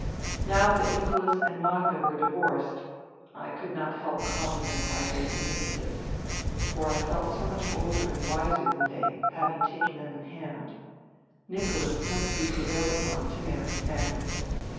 Now that Nicholas and Magda were divorced (I could not help calling them by their diminutives, for I felt so much older and wiser than they, having taken them in hand), Nicholas must be prevailed upon to marry Fanny.